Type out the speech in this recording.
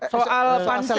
soal pansel ya